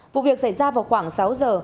vụ việc xảy ra vào khoảng sáu giờ